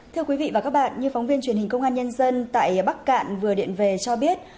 thưa quý vị và các bạn như phóng viên truyền hình công an nhân dân tại bắc cạn vừa điện về cho biết